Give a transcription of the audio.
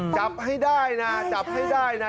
จับให้ได้นะจับให้ได้นะ